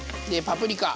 パプリカ。